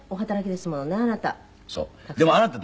でもあなた駄目。